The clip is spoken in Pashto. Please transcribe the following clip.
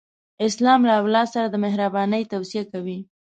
اسلام له اولاد سره د مهرباني توصیه کوي.